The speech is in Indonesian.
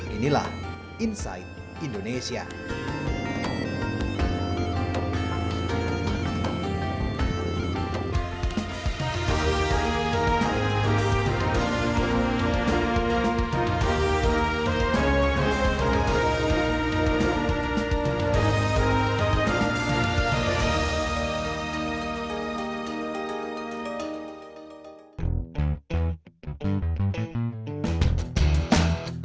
inilah insight indonesia